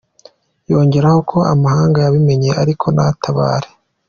Yongeraho ko amahanga yabimenye ariko ntatabare.